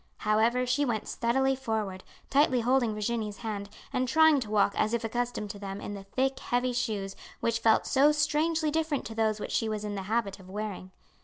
However, she went steadily forward, tightly holding Virginie's hand and trying to walk as if accustomed to them in the thick heavy shoes which felt so strangely different to those which she was in the habit of wearing.